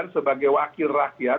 sebagai wakil rakyat